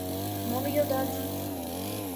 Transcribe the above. Мом йодат?